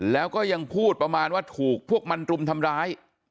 แล้วก็ยังพูดประมาณว่าถูกพวกมันรุมทำร้าย